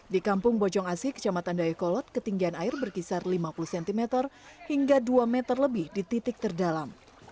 di kampung bojong asih kecamatan dayakolot ketinggian air berkisar lima puluh cm hingga dua meter lebih di titik terdalam